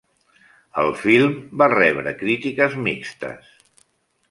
El film va rebre crítiques mixtes.